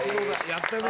やったね！